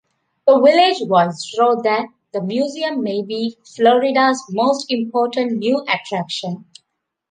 The "Village Voice" wrote that the museum "may be Florida's most important new attraction.